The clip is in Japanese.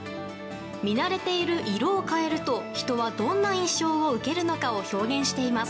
見慣れている色を変えると人はどんな印象を受けるのかを表現しています。